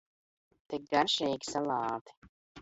Tik garšīgi salāti!